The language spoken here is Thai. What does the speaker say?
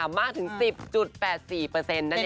ขยับมาถึง๑๐๘๔เปอร์เซ็นต์นั่นเองค่ะ